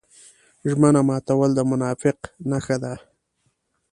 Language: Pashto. ژمنه ماتول د منافق نښه ده.